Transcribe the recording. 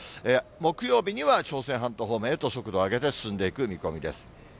木曜日には朝鮮半島方面へと速度を上げて進んでいく見込みです。